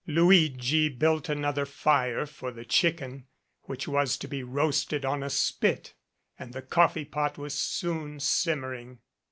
Luigi built another fire for the chicken which was to be roasted on a spit, and the coffee pot was soon simmering.